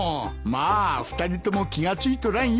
まあ２人とも気が付いとらんよ。